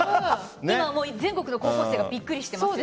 今、全国の高校生がびっくりしてますよ。